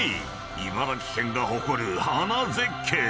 ［茨城県が誇る花絶景］